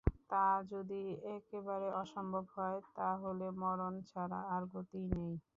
তা যদি একেবারে অসম্ভব হয় তা হলে মরণ ছাড়া আর গতিই নেই।